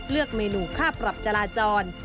เลือกเมนูค่าปรับจราจร